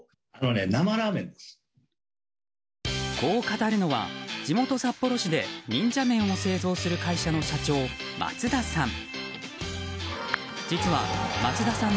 こう語るのは地元・札幌市で忍者麺を製造する会社の社長、松田さん。